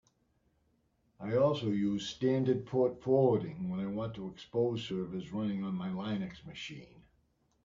I also use standard port forwarding when I want to expose servers running on my Linux machine.